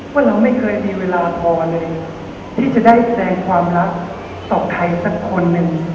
ว่าเราไม่เคยมีเวลาพอเลยที่จะได้แสงความรักต่อใครสักคนหนึ่ง